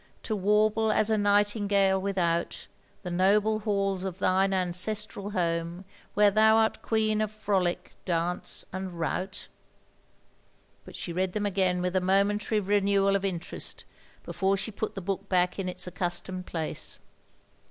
To warble as a nightingale without The noble halls of thine ancestral home. Where thou art queen of frolic, dance, and rout t But she read them again with a momentary OF GROSVENOR SQUARE 5 renewal of interest, before she put the book back in its accustomed place.